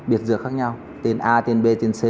biệt dược khác nhau tên a tên b tên c